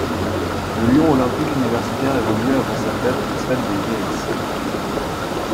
Le Lyon olympique universitaire évoluait avant cette date au Stade des Iris.